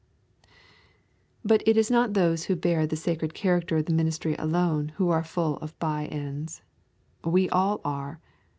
But it is not those who bear the sacred character of the ministry alone who are full of by ends. We all are.